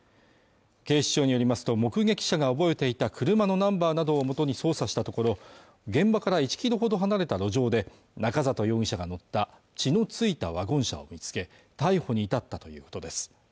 警視庁によりますと目撃者が覚えていた車のナンバーなどをもとに捜査したところ現場から１キロほど離れた路上で中里容疑者が乗った血の付いたワゴン車を見つけ逮捕に至ったということです